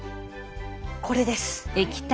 これです。